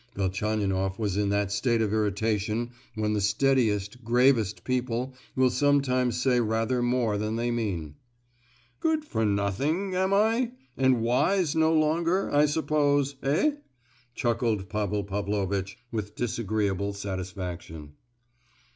Velchaninoff was in that state of irritation when the steadiest, gravest people will sometimes say rather more than they mean. "Good for nothing, am I? and wise no longer, I suppose, eh?" chuckled Pavel Pavlovitch, with disagreeable satisfaction.